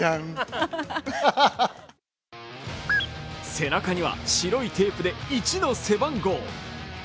背中には白いテープで１の背番号。